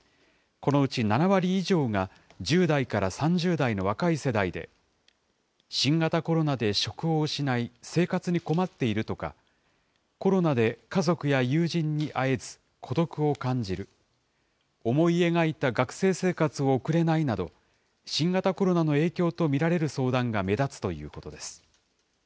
このうち７割以上が、１０代から３０代の若い世代で、新型コロナで職を失い、生活に困っているとか、コロナで家族や友人に会えず孤独を感じる、思い描いた学生生活を送れないなど、新型コロナの影響と見られる相談が目立つということです。